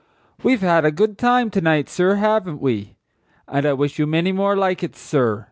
"We've had a good time to night, sir, haven't we? And I wish you many more like it, sir.